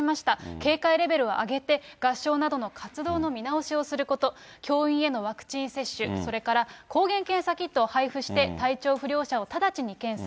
警戒レベルを上げて、合唱などの活動の見直しをすること、教員へのワクチン接種、それから抗原検査キットを配布して、体調不良者を直ちに検査。